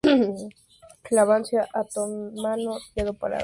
El avance otomano quedó parado en todas las partes.